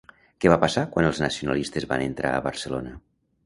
Què va passar quan els nacionalistes van entrar a Barcelona?